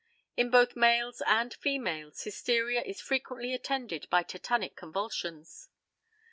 In both males and females hysteria is frequently attended by tetanic convulsions.